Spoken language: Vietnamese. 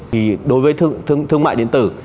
thì đối với thương mại điện tử